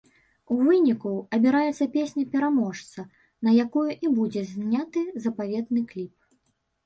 У выніку, абіраецца песня-пераможца, на якую і будзе зняты запаветны кліп.